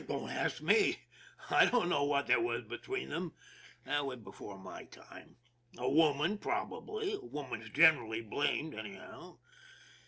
Don't ask me. I don't know what there was be tween them. That was before my time. A woman probably a woman's generally blamed anyhow.